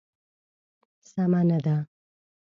سمه نه ده.